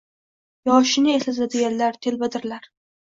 Yoshini eslatadiganlar telbadirlar.